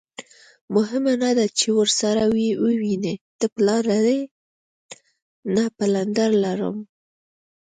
مهمه نه ده چې ورسره ووینې، ته پلار لرې؟ نه، پلندر لرم.